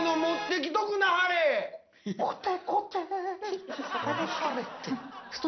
「なはれ」って。